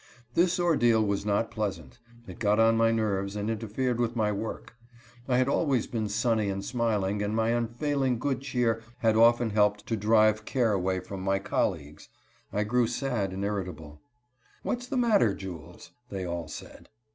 This ordeal was not pleasant. It got on my nerves, and interfered with my work. I had always been sunny and smiling, and my unfailing good cheer had often helped to drive care away from my colleagues. I grew sad and irritable. "What's the matter, Jules?" they all said.